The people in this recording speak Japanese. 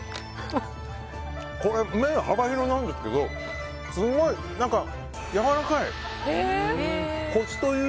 これ麺、幅広なんですけどすごいやわらかい。